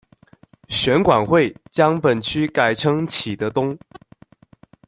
选管会将本区改称启德东。